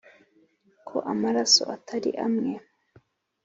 ko amaraso atari amwe